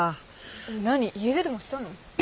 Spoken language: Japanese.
何家出でもしたの？